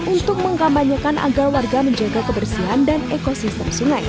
untuk mengkampanyekan agar warga menjaga kebersihan dan ekosistem sungai